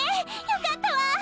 よかったわ！